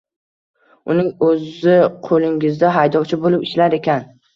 Uning o`zi qo`lingizda haydovchi bo`lib ishlar ekan